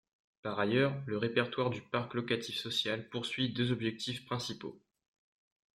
Par ailleurs, le répertoire du parc locatif social poursuit deux objectifs principaux.